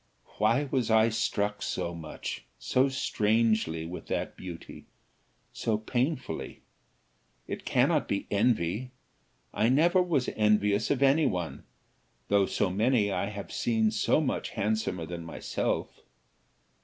"Why was I struck so much, so strangely, with that beauty so painfully? It cannot be envy; I never was envious of any one, though so many I have seen so much handsomer than myself.